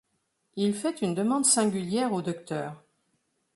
Il fait une demande singulière au docteur.